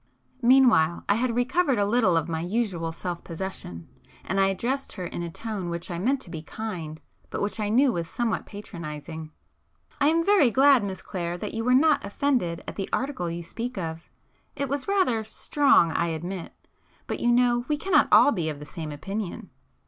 Meanwhile I had recovered a little of my usual self possession, and I addressed her in a tone which I meant to be kind, but which I knew was somewhat patronizing. "I am very glad, Miss Clare, that you were not offended at the article you speak of. It was rather strong I admit,—but you know we cannot all be of the same opinion